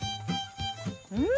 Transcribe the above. うん！